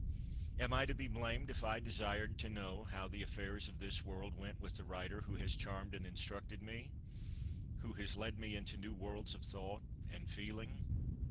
Am I to be blamed if I desired to know how the affairs of this world went with the writer who has charmed and instructed me, who has led me into new worlds of thought and feeling?